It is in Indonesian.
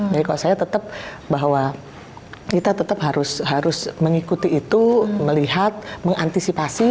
jadi kalau saya tetap bahwa kita tetap harus mengikuti itu melihat mengantisipasi